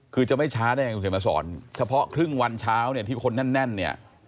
คือจะไม่ช้าได้อย่างที่ผมเคยมาสอนเฉพาะครึ่งวันเช้าที่คนแน่นเนี่ย